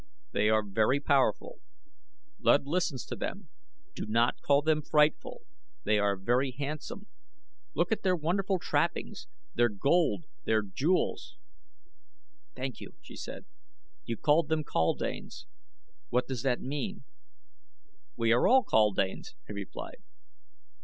They are very powerful. Luud listens to them. Do not call them frightful. They are very handsome. Look at their wonderful trappings, their gold, their jewels." "Thank you," she said. "You called them kaldanes what does that mean?" "We are all kaldanes," he replied.